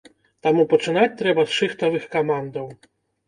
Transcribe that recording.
Таму пачынаць трэба з шыхтавых камандаў.